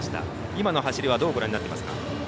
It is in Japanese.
今の走りはどうご覧になっていますか。